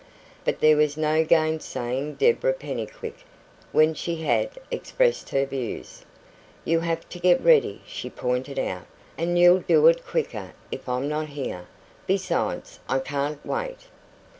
But there was no gainsaying Deborah Pennycuick when she had expressed her views. "You have to get ready," she pointed out, "and you'll do it quicker if I'm not here. Besides, I can't wait."